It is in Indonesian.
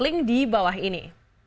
link di bawah ini